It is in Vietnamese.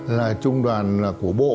là trung đoàn của bộ